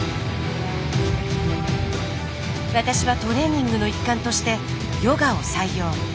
私はトレーニングの一環としてヨガを採用。